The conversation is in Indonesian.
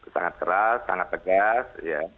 sangat keras sangat tegas